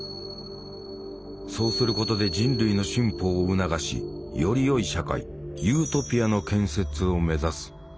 そうすることで人類の進歩を促しよりよい社会「ユートピア」の建設を目指す。